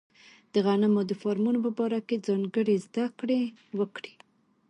د غنمو د فارمونو په باره کې ځانګړې زده کړې وکړي.